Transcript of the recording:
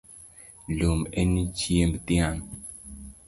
Lum en chiemb dhiang’